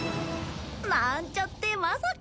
なんちゃってまさかね。